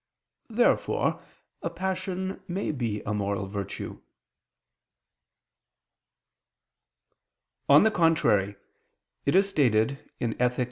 Therefore a passion may be a moral virtue. On the contrary, It is stated in _Ethic.